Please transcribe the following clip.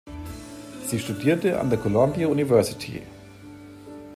Sie studierte an der Columbia University.